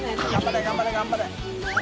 頑張れ頑張れ！